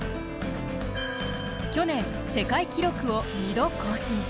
去年、世界記録を二度更新。